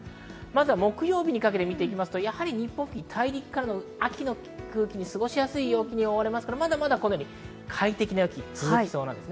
木曜日にかけて見ていきますと、日本付近大陸からの秋の空気で過ごしやすい陽気に覆われますが、またまだ快適な陽気が続きそうです。